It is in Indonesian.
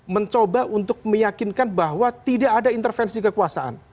mencoba untuk meyakinkan bahwa tidak ada intervensi kekuasaan